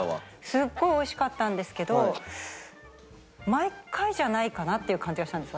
すごい美味しかったんですけど毎回じゃないかなっていう感じがしたんです